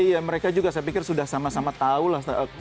iya mereka juga saya pikir sudah sama sama tahu lah